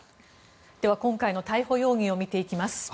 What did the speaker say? では今回の逮捕容疑を見ていきます。